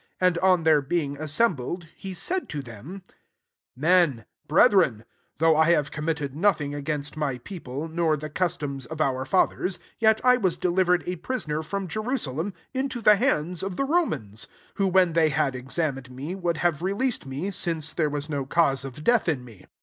And on their being assembled, he said to them, "Men, brethren, though I have committed nothing a gainst my people, nor the cus toms of our fathers, yet I was de livered a prisoner, from Jerusa lem, into the hands of the Ro mans: 1 8 who, when they had exa mined me, would have released me, since there was no cause of death in me.